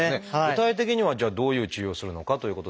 具体的にはじゃあどういう治療をするのかということですが。